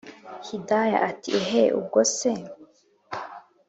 hidaya ati” eeeeehhh ubwo se